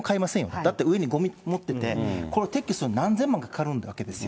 だって上にごみ盛ってて、これを撤去するのに何千万とかかるわけですよ。